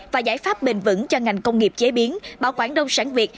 và giải pháp bền vững cho ngành công nghiệp chế biến bảo quản nông sản việt